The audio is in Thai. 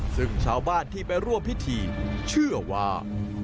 ซึ่งชาวบ้านที่ไปร่วมพิธีเชื่อว่า